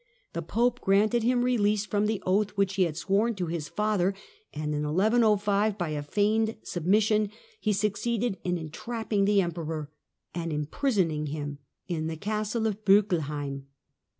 The Pope granted him release from the oath which he had sworn to his father, and in 1105, by a feigned submission, he succeeded in entrapping the Emperor and imprisoning him in the castle of Bockelheim.